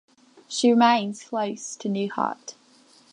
She remains close to Newhart.